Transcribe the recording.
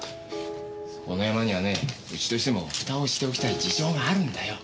このヤマにはねうちとしてもふたをしておきたい事情があるんだよ。